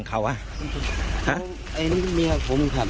คนเขาเสร็จกำลัง